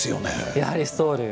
やはりストール。